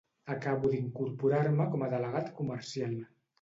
Acabo d'incorporar-me com a delegat comercial